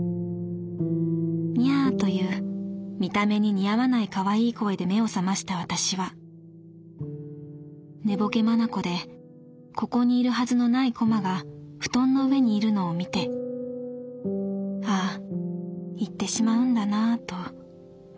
ニャアという見た目に似合わない可愛い声で目を覚ました私は寝ぼけ眼でここにいるはずのないコマが布団の上にいるのを見て『あぁいってしまうんだなぁ。』とわかってしまった。